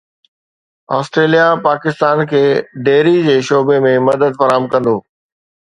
Australia Pakistan کي dairy جي شعبي ۾ مدد فراهم ڪندو